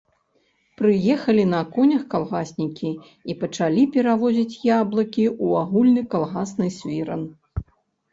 Прыехалі на конях калгаснікі і пачалі перавозіць яблыкі ў агульны калгасны свіран.